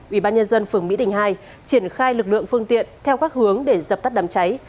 ubnd phường mỹ đình hai triển khai lực lượng phương tiện theo các hướng để dập tắt đám cháy